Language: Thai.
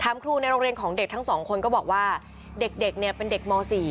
ครูในโรงเรียนของเด็กทั้งสองคนก็บอกว่าเด็กเนี่ยเป็นเด็กม๔